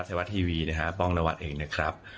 ชายวัดทีวีนะครับป้องนวัติเองนะครับ